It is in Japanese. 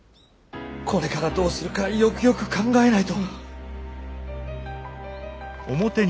これからどうするかよくよく考えないと。